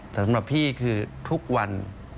แต่สำหรับพี่คือทุกวัน